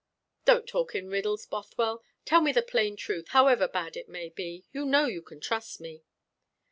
"Don't talk in riddles, Bothwell. Tell me the plain truth, however bad it may be. You know you can trust me."